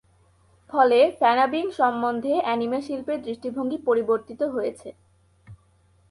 ফলে, ফ্যানাবিং সম্বন্ধে অ্যানিমে শিল্পের দৃষ্টিভঙ্গি পরিবর্তিত হয়েছে।